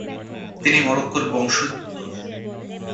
তিনি মরক্কোর বংশোদ্ভূত।